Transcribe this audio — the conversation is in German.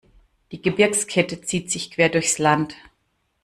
Die Gebirgskette zieht sich quer durchs Land.